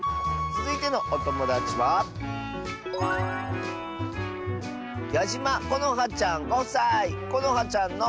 つづいてのおともだちはこのはちゃんの。